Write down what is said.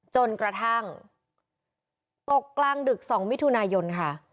จนกระทั่งตกกลางดึก๒มิถุนายนค่ะ